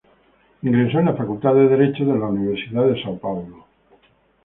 Ingresó en la Facultad de Derecho de la Universidad de São Paulo.